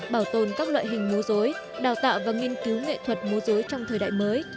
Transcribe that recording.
bảo tồn các loại hình múa dối đào tạo và nghiên cứu nghệ thuật mô dối trong thời đại mới